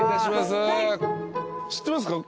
知ってますか？